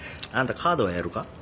あんたカードはやるか？